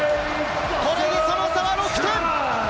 これでその差は６点。